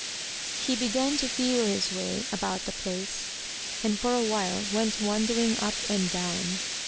He began to feel his way about the place, and for a while went wandering up and down.